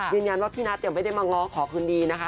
ยืนยันว่าพี่นัทไม่ได้มาง้อขอคืนดีนะคะ